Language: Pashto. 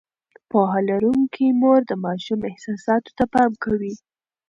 پوهه لرونکې مور د ماشوم احساساتو ته پام کوي.